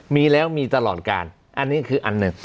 มีแล้วมีตลอดการอันนี้คืออันหนึ่ง